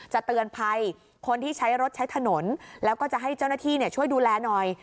เตือนภัยคนที่ใช้รถใช้ถนนแล้วก็จะให้เจ้าหน้าที่ช่วยดูแลหน่อย